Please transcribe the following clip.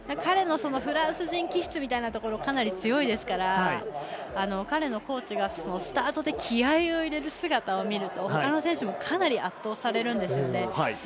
彼のフランス人気質みたいなところかなり強いですから彼のコーチがスタートで気合いを入れる姿を見るとほかの選手もかなり圧倒されるんですよね。